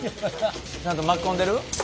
ちゃんと巻き込んでる？